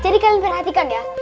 jadi kalian perhatikan ya